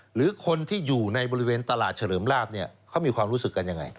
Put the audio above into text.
หรือคนที่อยู่ในบริเวณตลาดเฉลิมลาบเนี่ยเขามีความรู้สึกกันยังไง